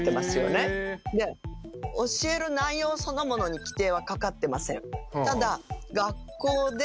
教える内容そのものに規定はかかってません。